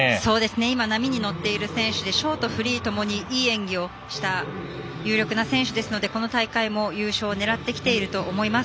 今、波に乗っている選手でショート、フリーともにいい演技をした有力な選手ですのでこの大会も優勝を狙ってきていると思います。